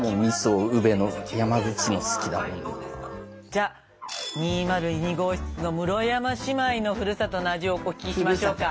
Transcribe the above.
じゃ２０２号室の室山姉妹のふるさとの味をお聞きしましょうか。